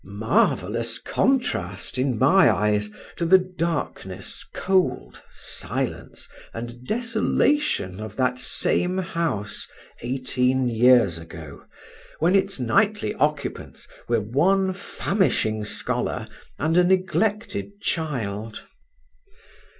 Marvellous contrast, in my eyes, to the darkness, cold, silence, and desolation of that same house eighteen years ago, when its nightly occupants were one famishing scholar and a neglected child.